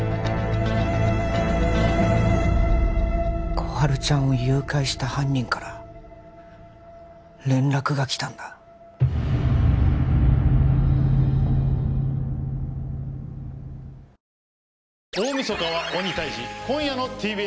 心春ちゃんを誘拐した犯人から連絡が来たんだ心